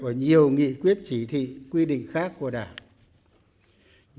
và nhiều nghị quyết chỉ thị quy định khác của đảng